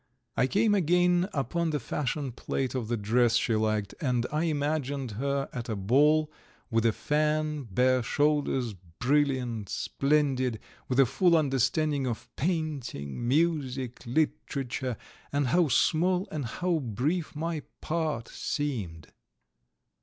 I came again upon the fashion plate of the dress she liked, and I imagined her at a ball, with a fan, bare shoulders, brilliant, splendid, with a full understanding of painting, music, literature, and how small and how brief my part seemed!